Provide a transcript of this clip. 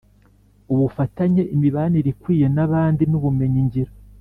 ubufatanye, imibanire ikwiye n’abandi n’ubumenyi ngiro